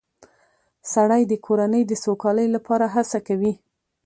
سړی د کورنۍ د سوکالۍ لپاره هڅه کوي